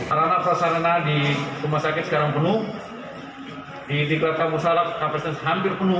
arana prasarana di rumah sakit sekarang penuh di kelas kampus sarak kapasitas hampir penuh